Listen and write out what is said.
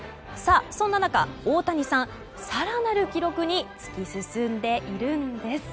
そんな中大谷さん、更なる記録に突き進んでいるんです。